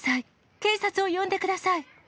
警察を呼んでください。